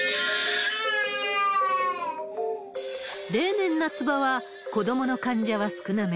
例年、夏場は子どもの患者は少なめ。